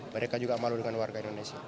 mereka juga malu dengan warga indonesia